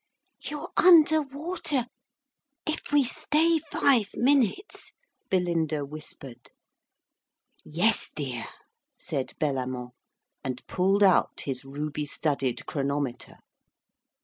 'You're under water if we stay five minutes,' Belinda whispered. 'Yes, dear,' said Bellamant, and pulled out his ruby studded chronometer.